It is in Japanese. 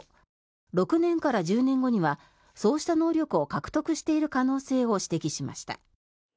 ６年から１０年後にはそういった能力を獲得している可能性を指摘しました。